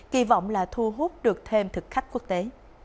kỳ vọng là thu hút được thêm thực khách quốc tế